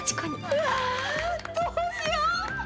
うわどうしよう！